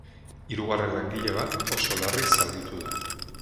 Hirugarren langile bat oso larri zauritu da.